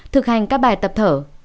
một thực hành các bài tập thở